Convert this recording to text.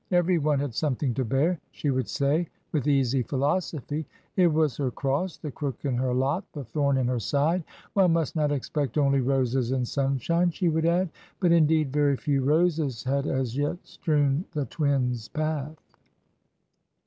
Every one had something to bear, she would say with easy philosophy it was her cross, the crook in her lot, the thorn in her side; one must not expect only roses and sunshine, she would add; but, indeed, very few roses had as yet strewn the twins' path.